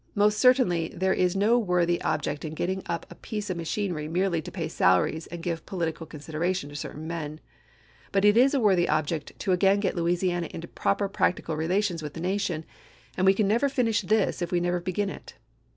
Most certainly there is no worthy object in getting up a piece of machinery merely to pay salaries and give political consideration to certain men. But it is a worthy object to again get Louisiana into proper practical relations with the nation, and we can never finish this if we never begin it.